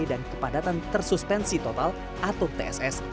dan kepadatan tersuspensi total atau tss